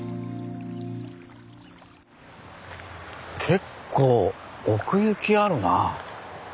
結構奥行きあるなあ。